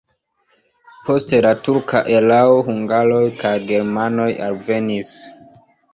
Post la turka erao hungaroj kaj germanoj alvenis.